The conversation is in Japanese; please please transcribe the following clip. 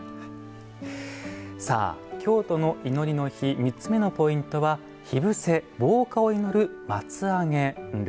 京都の祈りの火３つ目のポイントは火伏せ＝防火を祈る「松上げ」。